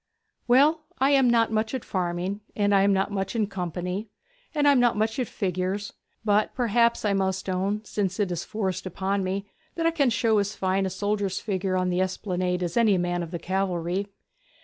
'Well, I am not much at farming, and I am not much in company, and I am not much at figures, but perhaps I must own, since it is forced upon me, that I can show as fine a soldier's figure on the Esplanade as any man of the cavalry.'